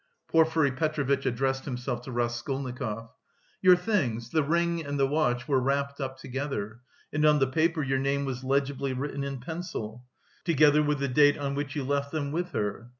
Porfiry Petrovitch addressed himself to Raskolnikov. "Your things, the ring and the watch, were wrapped up together, and on the paper your name was legibly written in pencil, together with the date on which you left them with her..."